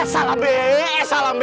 eh salam be eh salam be